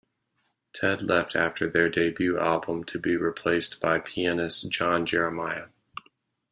Ted left after their debut album to be replaced by pianist John Jeremiah.